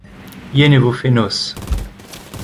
Yen e vo fenoz.